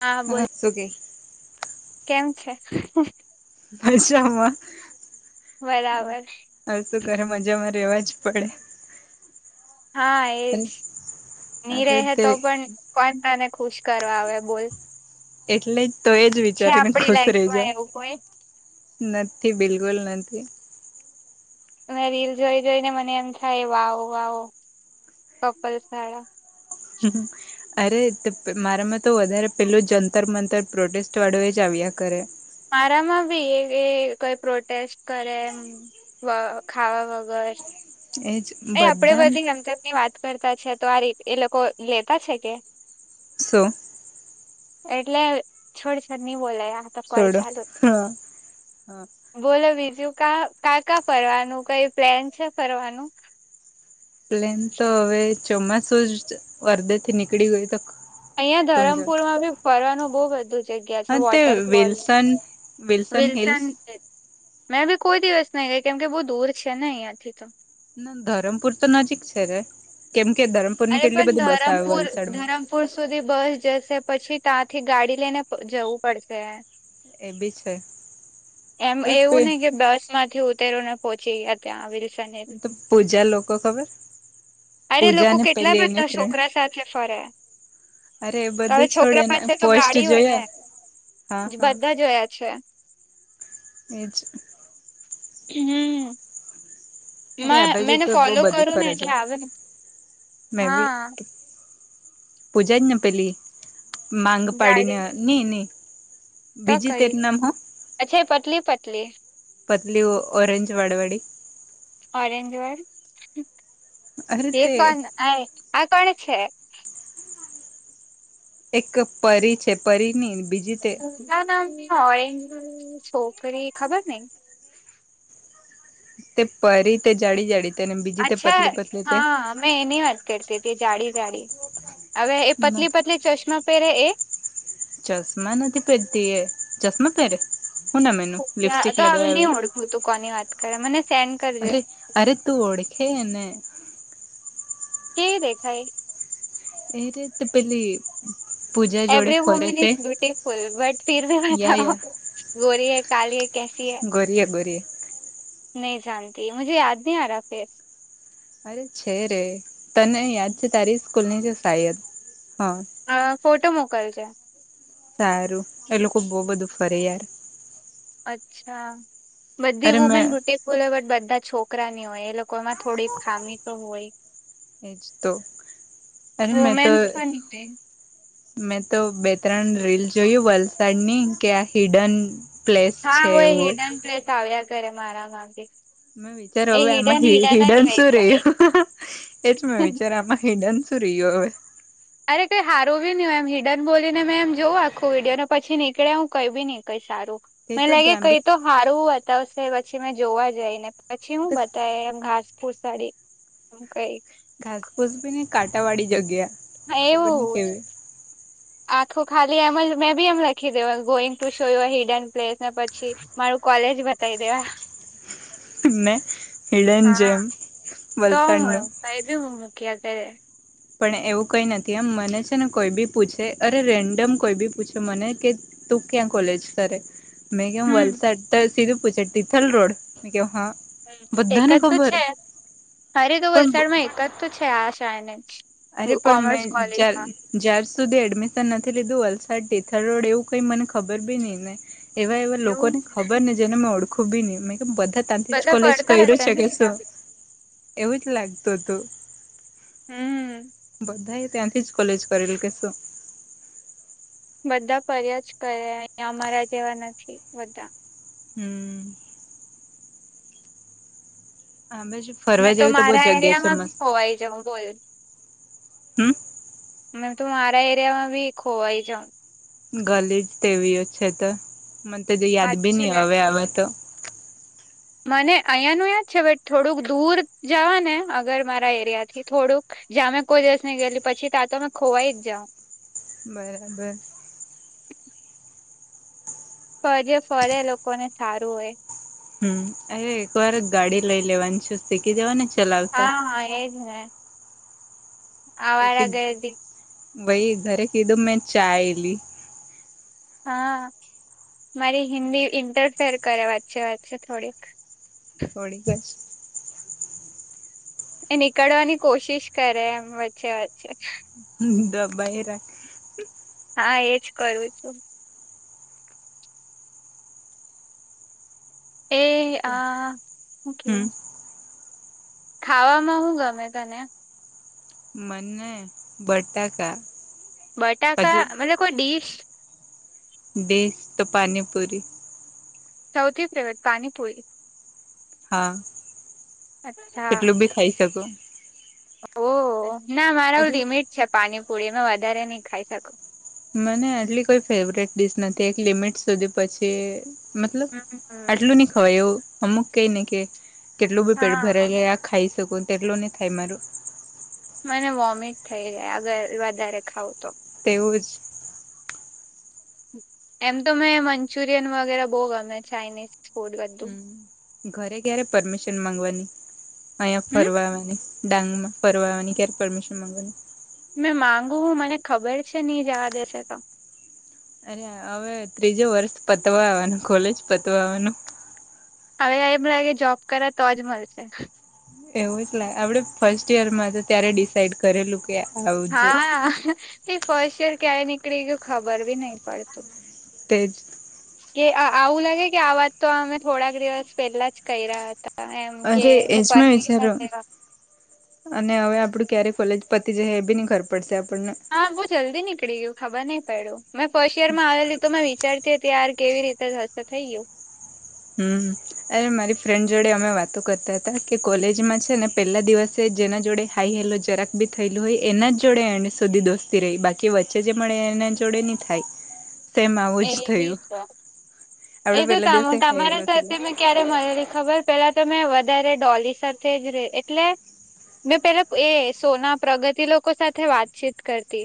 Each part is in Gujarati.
હા બોલ શું કે કેમ છે? મજામાં. બરાબર. હવે શું કરે મજામાં રહેેવા જ પડે. હા એજ ની અરે રહે તે તો પણ કોન તને ખુશ કરવા આવે બોલ. એટલે જ તો એ જ છે વિચારીને આપડી ખુશ રહી લાઈફમાં જામ. એવું કોઈ નથી બિલકુલ નથી. અને રીલ જોઈ જોઈને મને એમ થાય વાવો વાવો કપલ વાળા. હમ. અરે મારામાં તો વધારે પેલું જંતર મંતર પ્રોટેસ્ટ વાળો એ જ આવ્યા કરે. મારામાં બી એ કઈ પ્રોટેસ્ટ કરે એમ. વ ખાવા વગર. એજ. અ આપડે બધા બધી ગમતમની વાત કરતા છે તો આ એ લોકો લેતા છે કે! શું? એટલે છોડ ચાલ ની બોલાય આતો કોલ છોડો ચાલુ. હા હા બોલો બીજું કા કા કા ફરવાનું કઈ પ્લેન છે ફરવાનું! પ્લેન તો હવે ચોમાસું જ અર્ધે થી નીકળી ગયું તો અહિયાં સમજ ધરમપુર માં બી ફરવાનું બહુ બધું. જગ્યા હા છે તે વોટરફોલ્ વિલ્સન વિલ્સન છે. મેં બી કોઈ દિવસ નહી ગયા કેમ કે બહુ દૂર છે ને અહીંથી તો. ના ધરમપુર તો નજીક છે રે કેમ કે ધરમપુર ની કેટલી બધી બસ આવે વલસાડમાં. પુર સુધી બસ જશે પછી ત્યાંથી ગાડી લઈને જવું પડશે. એ બી છે. એમ ઓય પે એવું નહ કે બસ માંથી ઉતર ને પહોંચી ગયા ત્યાં આવી રીતે તો પૂજા લોકો ખબર. અરે પૂજા લોકો ને કેટલા પેલી એની બધા ફ્રેન્ડ છોકરા સાથે ફરે. અરે એ તવે બધું છોડે છોકરા ને પાસે તો પોસ્ટ ગાડી હોય ને જોયા હા હા બધા જોયા છે. એજ. હમ અરે આ બાજુ મેને ફોલો કરું ને એટલે આવે ને. મેભી. પૂજા જ ન પેલી માંગ પાડીને ની‌ની. ત કહી અચ્છ પતલી પતલી. પતલી ઓ ઓરેંજ વડવાડી. ઓરેન્જ વાળ અરે એ તે કોણ આ આ કોણ છે? એક પરી છે પરી ની બીજી તે. ના ના ઓરેન્જ સોકરી ખબર નઈ. તે પરી તે જાડી જાડી તે બીજી તે અચ્છા પતલી પતલી તે. હા મેં એની વાત કરતી હતી જાડી વાળી હવે એ પતલી પતલી ચશ્મા પહેરે એ! ચશ્મા નથી પહેરતી પ એ ચશ્મા પેરે હું નામ એનું લિપસ્ટસ્ટિક હવે લગાય આવે! નહી ઓળખું હું તો કોની વાત કરે મને સેન્ડ કરજે. અરે અરે, તું ઓળખે એને કે દેખાય. એને તો પેલી. પૂજા જોડે એવરી ફરે વુમન તે ઇઝ બ્યુટીફુલ બટ ફિી યા બતા યા ગોરી હૈ કાલી હૈ કેસી હૈ. ગોરી હે ગોરી હે નહિ જાનતી મુજે યાદ ન આ રા ફેસ. અરે છે રે તને યાદ છે તારી સ્કૂલની છે સાાયદ હા. અ ફોટો મોકલજે. સારું એ લોકો બહ બધું ફરે યાર. અચ્છા બધી અરે મેં વુમેન બ્યુટી [unintelligible] બધા છોકરાની હોય એ લોકોમાં થોડી ખામી તો હોય. એજ તો અરે મે તો. વુમેન્સ પણ છે. મેં તો બે ત્રણ રીલ જોયું વલસાડની કે આ હિડન. પ્લેસ હા છે હોય એવું હિડન પ્લેસ આવ્યા કરે મારા માં ભી. મેં વિચાર હવે આમાં હી હિડન શું જાય. રહ્યું એજ મેં વિચાર આમાં હિડન. શુ રહ્યું હવે. અરે કઈ સારું બી ન હોય એમ હિડન બોલીને મેં એમ જોવું આખું વિડીયોને પછી નીકળ્યા હું કઈ બી નહી કઈ સારું. તે મને તો લાગે કેમ કઈ તો હારૂ બતાવશે પછી મેં જોવા જઈ ને. પછી હું બી બતાય એમ ઘાસપુર સાડી કઈ. ઘાસફુસ બી નહિ કંટાવાળી જગ્યા. હા ખબર નઈ એવું જ. [unintelligible] આખું ખાલી એમ જ મેં બી એમ લખી દેવા going to show your hidden place ને પછી. મારૂ કોલેજ બતાાય દેવા. [unintelligible] હીડેન હા જેમ તો વલસાડનું. હું કઈ બી હું મકીયા કરે પણ એવું કઈ નથી એમ મને છે ને કોઈ બી પૂછે અરે રેન્ડમ કોઈ બી પૂછે મને કે તું ક્યાં કોલેજ કરે મેં કેવ હમ વલસાડ તો સીધું પુછે તીથલ રોડ મે કેવ હા. હમ્મ એક બધાને જ તો ખબર છે અરે ટુ પણ વલસાડ માં એક જ તો છે આશા ને. અરે પણ મે જલ જ્યાર સુધી એડમિશન નથી લીધું વલસાડ તિથલ રોડ એવું કઈ મને ખબર બી ની ને. એવા એવા એવું લોકોને ખબર ને જેને મેં ઓળખું બી ની મે કીધું બધા. ત્યાથી જ બધા કોલેજ પડતા કર્યું હશે છે ને કે અહિયાં શું બી એવું જ લાગતું તું. હમ્મ બધા ત્યાંથી જ કોલેજ કરેલુ કે શું. બધા ફર્યા જ કરે અહીં અમારા જેવા નથી બધા. હમ્મ હામરે જે મેં તો મારા એરિયામાં બી ખોવાઈ જાઉં બોલ હમ્મ મે તો મારા એરિયામાં બી ખોવાઈ જાવ. ગલી જ તેવીઓ છે તો મને તો યાદ બી હાચે ની હવે આવે તો. મને અહીંયા ન યાદ છે બટ થોડુંક દૂર જવા ને અગર મારા એરિયા થી થોડુંક જ્યાં અમે કોઈ દિવસ ની ગયેલું પછી તાંમે ખોવાઈ જ જાાવ બરાબર ફજ ફરે લોકોને સારું હોય. હમ અરે એક વાર ગાડી લઈ લેવાની છું શીખી જવાની છે. હા હા એજ ને પછી આવારા ગરદી ભાઈ ઘરે કીધું મેં ચાયલી હા મારી હિન્દી ઇન્ટરફેર કરે વાત છે વાત છે થોડીક થોડી બસ એ નીકળવાની કોશિશ કરે એમ વચ્ચે વચ્ચે હ તો બરા હા એજ કરું છું. એ આ થક યુ હમ ખાવામાં શું ગમે તને મને બટાકા બટાકા પછી મતલબ કોઈ ડીશ બેેશ તો પાનીપૂરી સૌથી ફેવરેટ પાણીપુરી હા અચ્છા કેટલું બી ખાઈ શકું. ઓ ના મારા લિમિટ છે પાણીપુરી વધારે નહી ખાઈ શકો મને આટલી કોઈ ફેવરેટ ડિશ નથી એક લિમિટ સુધી પછી મતલબ હમ આટલું નહી ખવાય એવું અમુક કઈને કે કેટલું બી પેટ હા ભરાયલા ખાઈ શકો તેટલ નહી થાય મારું. મને વોમિટ થઈ જાય અગર વધારે ખાવં તો તેવું જ એમ તો મેં મંચુરિયન વગેરે બહુ ગમે ચાઇનીઝ ફૂડ બધું. હમ ઘરે ક્યારે પરમિશન ગવાની અહં હમ ફરવાવાની ડાંગ માં ફરવાની ક્યારે પરમિશન માગવા મેં માગુ હું મને ખબર છે નહી જવા દેશે તો અરે હવે ત્રીજું વર્ષ પતવાવાનું કોલેજ પતવાવાનું હવે એમ લાગે જોબ કર તો જ મળશે એવું જ લાગે આપડે ફર્સ્ટ ઈયર માં તો ત્યારે ડિસાાઈડ કરેલું કે આવજે હા એ ફર્સ્ટ યર ક્યાય નીકળી ગયું ખબર બી નહી પડતું તેજ કે આવું લાગે કે આ વાત તો અમે થોડાક દિવસ પહેલા જ કર રહ્યા હતા. એમ કે અરે બ એજ મેં પરમિશન વિચાર્યું લેવા અને હવે આપડું ક્યારે કોોલેજ પતિ જશે એ બી ન ખબર પડશે આપણને હા બહુ જલ્દી નીકળી ગયું ખબર નહ પડ્યું મેં ફર્સ્ટ યરમાં આવેલીું તો મેં વિચારતી હતી ાર કેવી રીતે થઈ ગયું. હમ અરે મારી ફ્રેન્ડ જોડે અમે વાતો કરતા હતા કે કોલેજમાં છે ને પેલા દિવસ જેના જોડે હાઈ હેલો જરાક ભી થયેલું હોય એના જ જોડે એને સુધી દોસ્તી રહી બાકી કે વચ્ચે જે મળે એના જોડે નહી થાય. સેમ એ આવું જ બી થયું છે. એ આપડે તો પેલા તમ દિવસે તમારા ખાઈલો થયેલો સાથે મેં ક્યારે મળેલી ખબર પેલા તો મેં વધારે ડોલી સાથે જ ર એટલે મેં પેલા એ સોના પ્રગતિ લોકો સાથે વાતચીત કરતી.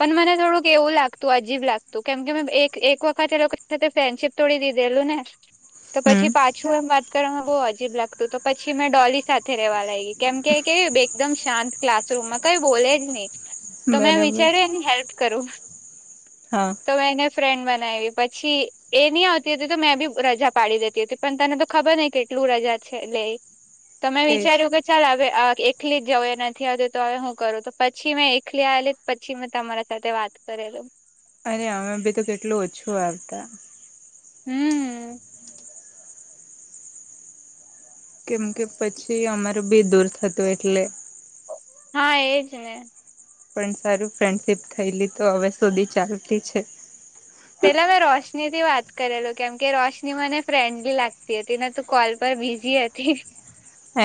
પણ મને થોડુંક એવું લાગતું અજીબ લાગતું કેમ કે મે એક એક વખત એ લોકો સાથે ફ્રેન્ડશીપ તોડી દીધેલું ને તો હમ પછી પાછું એમ વાત કરવામાં બહુ અજીબ લાગતું તો પછી મેં ડોલી સાથે રેવા લાગી કેમ કે કે એકદમ શાંત ક્લાસરૂમમાં કઈ બોલે જ નહી તો મેં બરાબર વિચાર્યું એની હેલ્પ કરું. હા. તો મે એને ફ્રેન્ડ બનાવી પછી. એ નહ આવતી હતી તો મેં બી રજા પાડી દેતી હતી પણ તને તો ખબર નહ કેટલું રજા છે લે. તમે તેજ વિચાર્યું કે. ચાલ હવે એકલી જ જવ એ નથી આવું તો હવે હું કરું તો પછી મેં એકલી આવેલી. પછી મેં તમારા સાથે વાત કરેલુ અરે અમે બી તો કેટલું ઓછું આવતા. હમ્મ કેમ કે પછી અમારું બી દૂર થતું એટલે. હા એ છે ને. પણ સારું ફ્રેન્ડશીપ થયેલી તો હવે સુધી ચાલતી છે. પેલા મેં રોશની થી વાત કરેલું કેમ કે રોશની મને ફ્રેન્ડલી લાગતી હતી ને. કોલ પર બીજી હતી.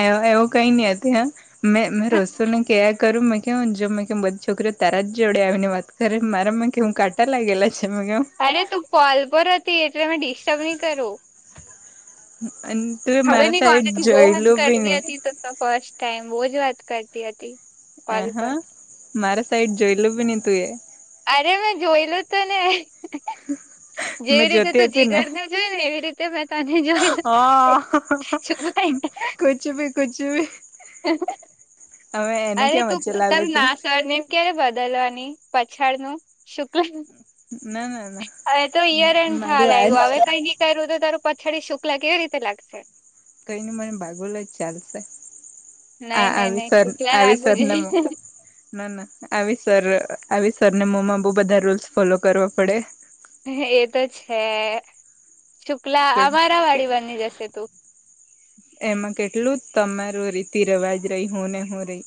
એ એવું કઈ ન આતી હા મે મે રોસ્ને. કયા કરું મેં કે જો કે બધી છોકરીઓ તારા જ જોડે આવીને વાત કરે મારામાં કે હું કાટ. એ લાગેલા છે મગ. અરે તું પલ પર હતી એટલે મેમે ડિસ્ટર્બ નહી કરું. હ અને. તું ખબર મારા નહી સાઈડ કોનાથી બહુ જ જોયલું બી કરતી નહી હતી તો ફસ્ટ ટાઈમ બહુ જ વાત કરતી હતી. આ કોલ હા પર મારે સાઈડ જોઈલું બી નને તું એ. અરે મેં જોયલું તો ને. [inaudible] મેં જેવી રીતે જોતી તું હતી ને જીગર જોઈ ને એવી રીતે મેં તને જોઈ હા. છુપાઈ કુછ ભી કુછ ભી. હ. હવે એને અરે ક્યાં તું વચ્ચે પતલ લાવે તું નાસવાને એમ ક્યારે બદલવાની પછાડ નું શુક્લ. ના ના ના હવે તો ઈયરન થ મારું આજ લાગ્યું છે હવે કઈ. ત્યારેું તો તારું પછાડી શુકલા કેવી રીતે લાગશે. કઈ ન મને ભાગોલો જ ચાલશે. હ નઈ નઈ આવીવ નઈ શુક્લા આવી લાગવું સ્વર્ણમ. જોઈએ ના ના આવી સર આવી સર ને મો્મા બહ બધા રૂલ્સ ફોલો કરવા પડે. એ તો છે શુક્લા અમારા વાડી બની જશે તું. એમાં કેટલું તમાર રીતિ રવાજ રહી હું ને હું રહી.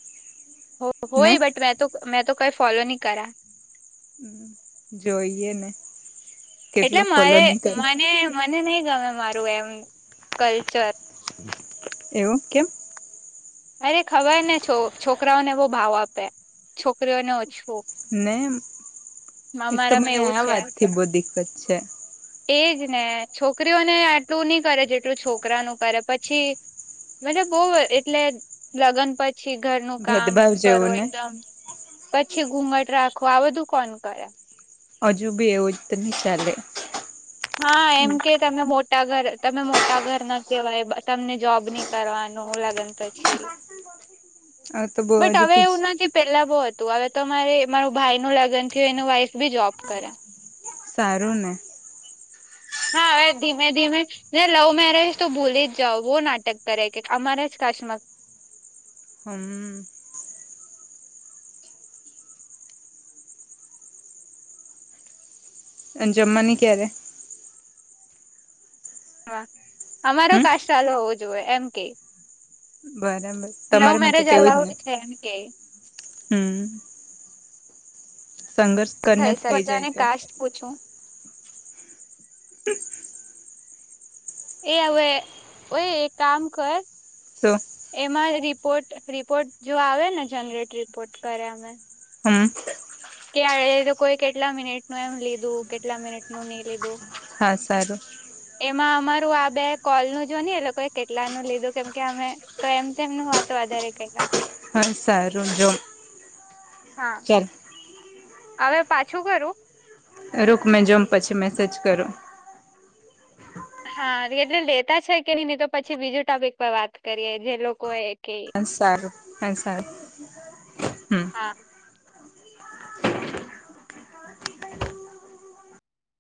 ને હોય બટ મે તો મેં તો કઈ ફોલો નહી કરા. હમ જોઈએ ને. એટલે કેટલું ફોલો મારે નહી કરે મને મને નહીં ગમે મારું એમ કલ્ચર. એવું કેમ. અરે ખબર ને છો છોકરાઓને બહુ ભાવ આપે છોકરીઓને ઓછું. ને એક તો અમારામાં મને એવું આ છે વાત થી બહુ દીકત છે. એજ ને છોકરીઓને આટલું નઈ કરે જેટલું છોકરા નું કરે પછી. મતબ બહ એટલે લગ્ન પછી ઘરનું કામ ભેદભાવ કરો જેવું ને એકદમ. પછી ઘૂઘટ રાખો આ બધું કોણ કરે. હજુ બી એવું જ નહી ચાલે. હા એમ કે. તમે મોટા ઘર તમે મોટા ઘર ના કહેવાય તમને જોબ નહી કરવાનું લગન પછી. [inaudible] તો બહુ બટ હજુ હવે પી એવું નથી પેલા બહોત. તું હવે તો મારે મારું ભાઈ નું લગ્ન થયું એનું વાઇફ બી જોબ કરે. સારું ને. હા એ ધીમે ધીમે. નાને લવ મેરેજ તો ભૂલી જ જાઓ નાટક કરે કે અમારે જ કાશમાં. હમ. અં જમમા ની કયારે. હા, અમારો હમ કાસ્ટ ચાલુ હોવો જોઈએ એમ કેય. બરાબર તમારે માટે મેરેજ તેવુંજ અલાઉડ ને છે એમ કે હમ. સંઘર્ષ કરને થઈ શકે થઇ જાય બધાને તો. કાસ્ટ પૂછું. [inaudible] એ હવે, ઓય એક કામ કર તો એમાં રિપોર્ટ-રિપોર્ટ જો આવે ને જનરેટ રિપોર્ટ કરે અમે હમ્મ. કે [unintelligible] તો કોઈ કેટલા મિનિટ નું એમ લીધું, કેટલા મિનિટ ની લીધું. હા સારું. એમાં અમારું આ બે કોલ નું જો ને એ લોકો કેટલાનું લીધું કેમ કે અમે તો એમ તેમનું વાત વધારે [unintelligible] હા, સારું, જો, હા ચાલ. હવે પાછું કરું. રુક મે જોમ પછી મેસેજ કરું. હા એટલે લેતા છે કે નહીં, નહી તો પછી બીજું ટોપિક પર વાત કરીએ, જે લોકો એ કે હા સારું-હા સારું, હમ્મ. હા.